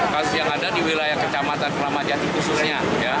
kasus yang ada di wilayah kecamatan kramat jati khususnya